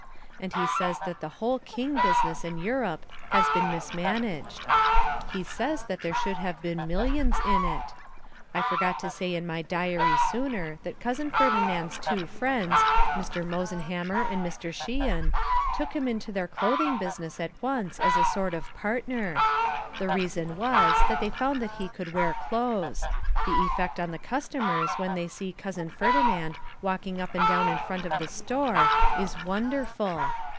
And he says that the whole King business in Europe has been mismanaged. He says that there should have been millions in it. I forgot to say in my diary sooner that Cousin Ferdinand's two friends, Mr. Mosenhammer and Mr. Sheehan, took him into their clothing business at once as a sort of partner. The reason was that they found that he could wear clothes; the effect on the customers when they see Cousin Ferdinand walking up and down in front of the store is wonderful.